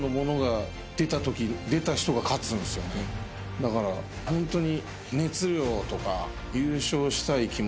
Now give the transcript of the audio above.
だからホントに。